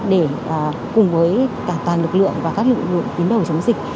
để cùng với cả toàn lực lượng và các lực lượng tiến đầu chống dịch